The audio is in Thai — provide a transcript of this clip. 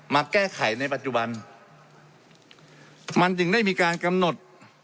มาแก้ไขในปัจจุบันมันจึงได้มีการกำหนด